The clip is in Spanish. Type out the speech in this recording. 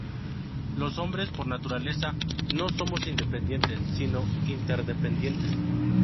Los hombres, por naturaleza, no somos independientes, sino interdependientes.